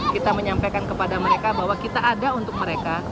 kita menyampaikan kepada mereka bahwa kita ada untuk mereka